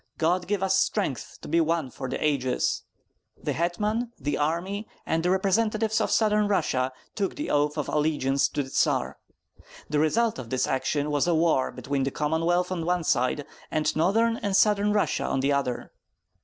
God give us strength to be one for the ages!" The hetman, the army, and the representatives of Southern Russia took the oath of allegiance to the Tsar. The result of this action was a war between the Commonwealth on one side, and Northern and Southern Russia on the other.